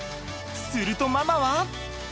するとママは。